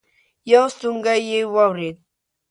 يو سونګی يې واورېد.